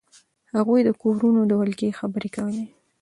هغوی د کورونو د ولکې خبرې کولې.